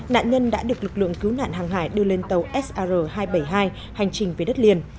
nạn nhân đã được lực lượng cứu nạn hàng hải đưa lên tàu sr hai trăm bảy mươi hai hành trình về đất liền